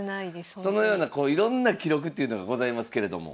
そのようなこういろんな記録っていうのがございますけれども。